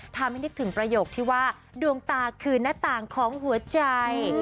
นึกถึงประโยคที่ว่าดวงตาคือหน้าต่างของหัวใจ